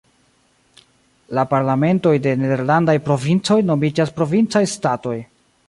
La parlamentoj de nederlandaj provincoj nomiĝas "Provincaj Statoj".